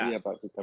ini apa pak fikar